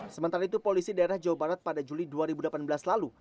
sementara itu polisi daerah jawa barat pada juli dua ribu delapan belas lalu